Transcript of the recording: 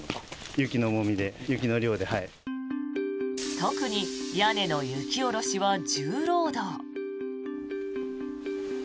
特に屋根の雪下ろしは重労働。